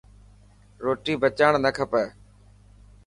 روٽي بچائڻ نه کپي.